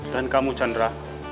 dan kamu chandra